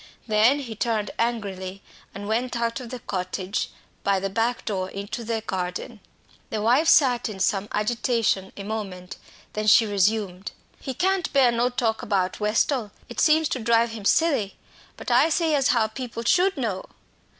Then he turned angrily, and went out of the cottage by the back door into the garden. The wife sat in some agitation a moment, then she resumed. "He can't bear no talk about Westall it seems to drive him silly. But I say as how people should know."